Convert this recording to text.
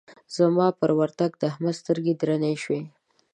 زما پر ورتګ د احمد سترګې درنې شوې.